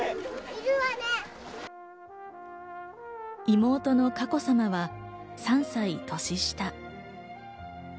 妹の佳子さまは３歳年下。